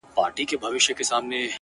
په مټي چي وكړه ژړا پر ځـنـگانــه!!